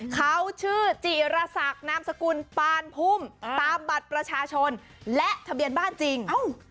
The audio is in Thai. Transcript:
เขาชื่อจิรษักนามสกุลปานพุ่มตามบัตรประชาชนและทะเบียนบ้านจริง